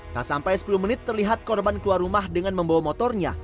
tak sampai sepuluh menit terlihat korban keluar rumah dengan membawa motornya